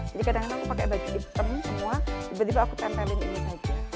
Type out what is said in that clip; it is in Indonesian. jadi kadang kadang aku pakai baju diperken semua tiba tiba aku tempelin ini saja